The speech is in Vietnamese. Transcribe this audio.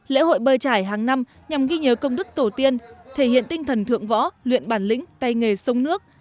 lễ hội bơi trải hàng năm nhằm ghi nhớ công đức tổ tiên thể hiện tinh thần thượng võ luyện bản lĩnh tay nghề sông nước